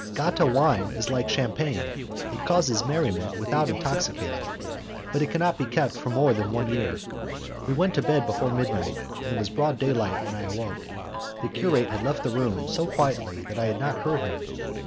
Gatta wine is like champagne, it causes merriment without intoxicating, but it cannot be kept for more than one year. We went to bed before midnight, and it was broad daylight when I awoke. The curate had left the room so quietly that I had not heard him.